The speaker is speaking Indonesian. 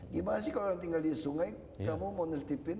gimana sih kalau orang tinggal di sungai kamu mau nirtipin